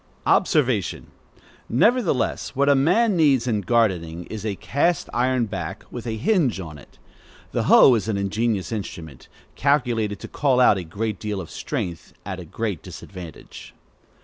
Observation. Nevertheless, what a man needs in gardening is a cast iron back, with a hinge in it. The hoe is an ingenious instrument, calculated to call out a great deal of strength at a great disadvantage.